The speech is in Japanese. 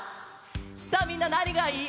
さあみんななにがいい？